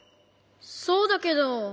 そうだけど。